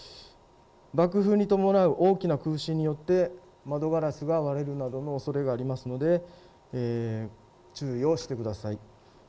爆風に伴う大きな空振によって窓ガラスが割れるなどのおそれがありますので注意をしてください。